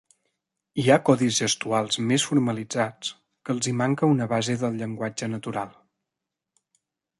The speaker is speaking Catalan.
Hi ha codis gestual més formalitzats que els hi manca una base del llenguatge natural.